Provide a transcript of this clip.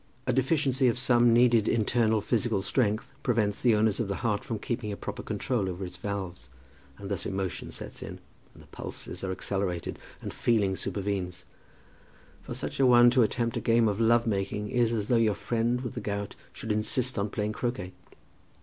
A deficiency of some needed internal physical strength prevents the owners of the heart from keeping a proper control over its valves, and thus emotion sets in, and the pulses are accelerated, and feeling supervenes. For such a one to attempt a game of love making, is as though your friend with the gout should insist on playing croquet.